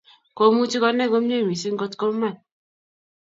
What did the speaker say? Komuchi konai komye mising ngot kuman